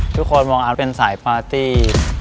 ทุกคนมองอาร์ตเป็นสายปาร์ตี้